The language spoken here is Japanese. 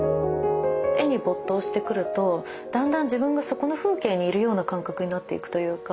絵に没頭してくるとだんだん自分がそこの風景にいるような感覚になっていくというか。